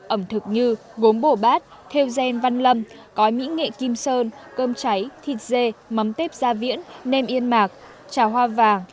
ẩm thực như gốm bồ bát theo gen văn lâm cói mỹ nghệ kim sơn cơm cháy thịt dê mắm tép gia viễn nem yên mạc trà hoa vàng